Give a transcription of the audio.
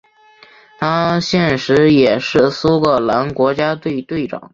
他现时也是苏格兰国家队队长。